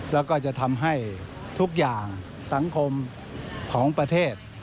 แล้วก็จะทำให้ทุกอย่างสังคมของประเทศ